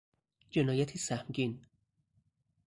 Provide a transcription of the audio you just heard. جنایتی سهمگین